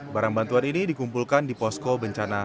barang bantuan ini dikumpulkan di posko bencana